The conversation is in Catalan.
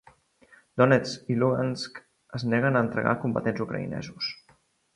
Donetsk i Lugansk es neguen a entregar combatents ucraïnesos